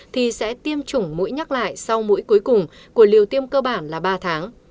thì sẽ tiêm chủng mũi nhắc lại sau mũi cuối cùng của liều tiêm cơ bản là ba tháng